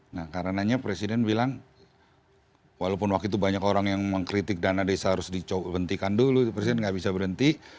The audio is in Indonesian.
nah karenanya presiden bilang walaupun waktu itu banyak orang yang mengkritik dana desa harus dihentikan dulu presiden nggak bisa berhenti